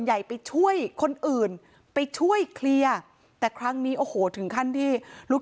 ใหญ่ไปช่วยคนอื่นไปช่วยเคลียร์แต่ครั้งนี้โอ้โหถึงขั้นที่ลูก